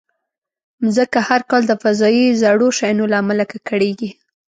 مځکه هر کال د فضایي زړو شیانو له امله ککړېږي.